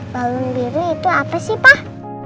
bangun biru itu apa sih pak